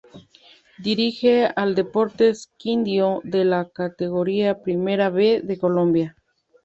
Dirige al Deportes Quindío de la Categoría Primera B de Colombia.